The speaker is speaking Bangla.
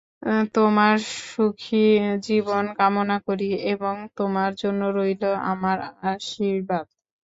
তোমার সুখী জীবন কামনা করি এবং তোমার জন্য রইল আমার আশীর্বাদ।